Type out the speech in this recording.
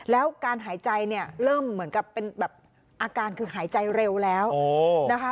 แล้วการหายใจเนี่ยเริ่มเหมือนกับเป็นแบบอาการคือหายใจเร็วแล้วนะคะ